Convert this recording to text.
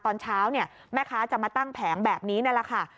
ตอนเช้าเนี่ยแม่ค้าจะมาตั้งแผงแบบนี้นั่นแหละค่ะ